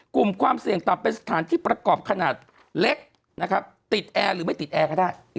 ความเสี่ยงต่ำเป็นสถานที่ประกอบขนาดเล็กนะครับติดแอร์หรือไม่ติดแอร์ก็ได้